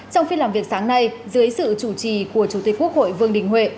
trong phiên làm việc sáng nay dưới sự chủ trì của chủ tịch quốc hội vương đình huệ